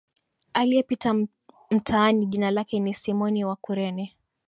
aliyepita mtaani jina lake ni Simoni wa Kurene